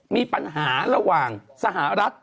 มีปัญหาระหว่างสหรัฐ